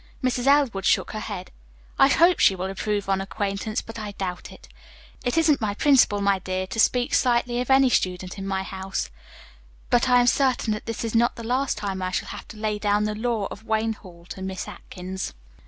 Mrs. Elwood shook her head. "I hope she will improve on acquaintance, but I doubt it. It isn't my principle, my dear, to speak slightingly of any student in my house, but I am certain that this is not the last time I shall have to lay down the law of Wayne Hall to Miss Atkins."